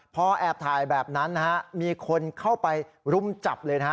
พอแอบถ่ายแบบนั้นนะฮะมีคนเข้าไปรุมจับเลยนะฮะ